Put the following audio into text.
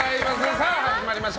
さあ、始まりました。